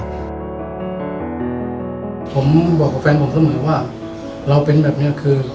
ผมบอกกับแฟนผมเสมอว่าเราเป็นแบบเนี้ยคือ